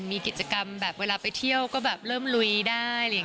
มีกิจกรรมแบบเวลาไปเที่ยวก็แบบเริ่มลุยได้